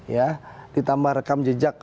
ya ditambah rekam jejak